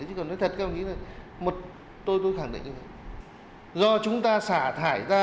chứ còn nói thật tôi khẳng định là do chúng ta xả thải ra